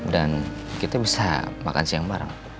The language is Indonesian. dan kita bisa makan siang bareng